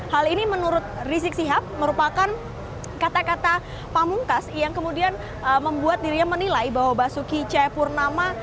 hal ini menurut rizik sihab merupakan kata kata pamungkas yang kemudian membuat dirinya menilai bahwa basuki cahayapurnama